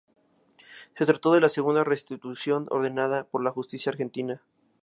Se trató de la segunda restitución ordenada por la justicia argentina.